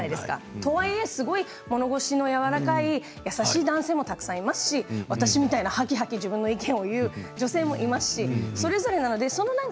とはいえ、ものすごく物腰のやわらかい優しい男性もたくさんいますし私みたいなはきはき自分の意見を言う女性もいますし、それぞれです。